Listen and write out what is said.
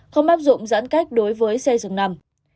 không áp dụng giãn cách đối với xe dừng nằm